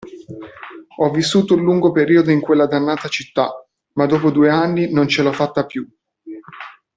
Ho vissuto un lungo periodo in quella dannata città, ma dopo due anni non ce l'ho fatta più